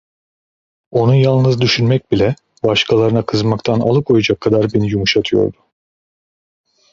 Onu yalnız düşünmek bile başkalarına kızmaktan alıkoyacak kadar beni yumuşatıyordu.